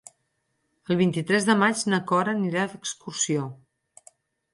El vint-i-tres de maig na Cora anirà d'excursió.